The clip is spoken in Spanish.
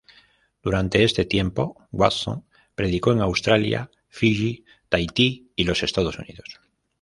Durante este tiempo Watson predicó en Australia, Fiji, Tahiti, y los Estados Unidos.